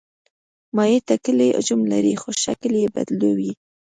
مایع ټاکلی حجم لري خو شکل یې بدلوي.